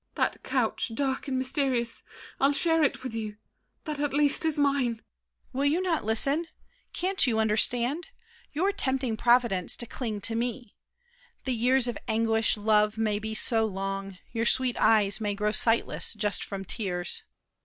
MARION. That couch, dark, and mysterious, I'll share it with you; that at least is mine. DIDIER. Will you not listen? Can't you understand? You're tempting Providence to cling to me! The years of anguish, love, may be so long Your sweet eyes may grow sightless, just from tears.